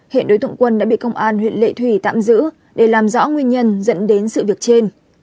hiện đối tượng quân đã bị công an huyện lệ thủy tạm giữ để làm rõ nguyên nhân dẫn đến sự việc trên